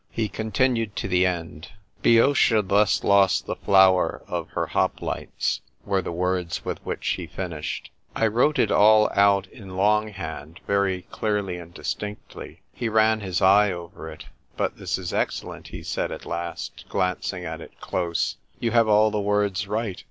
He continued to the end. ' Boeotia thus lost the flower of her hoplites,' were the words with which he finished. I wrote it all out in long hand, very clearly and distinctly. He ran his eye over it. " But this is excellent !" he said at last, glancing at it close. " You have all the words right.